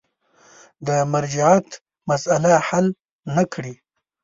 د مرجعیت مسأله حل نه کړي.